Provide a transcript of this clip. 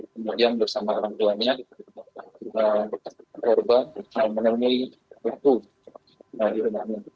kemudian bersama orang tuanya korban menemui pelaku di rumahnya